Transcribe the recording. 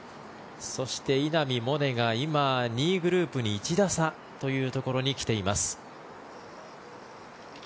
そして、稲見萌寧が今、２位グループに１打差というところに来ています。